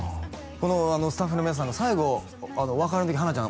このスタッフの皆さんが最後お別れの時花ちゃん